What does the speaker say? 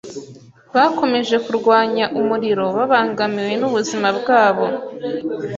Bakomeje kurwanya umuriro babangamiwe n'ubuzima bwabo.